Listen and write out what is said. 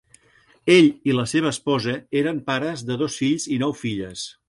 Ell i la seva esposa eren pares de dos fills i nou filles.